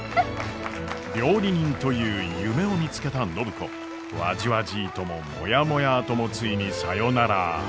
料理人という夢を見つけた暢子。わじわじーとももやもやーともついにさよなら！